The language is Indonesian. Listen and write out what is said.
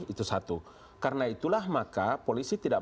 itu satu karena itulah maka polisi tidak